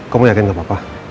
kamu yakin gak apa apa